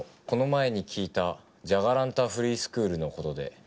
この前に聞いたジャガランタ・フリースクールの事で。